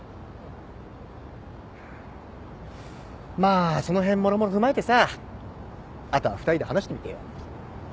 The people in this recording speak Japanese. まあその辺もろもろ踏まえてさあとは２人で話してみてよ。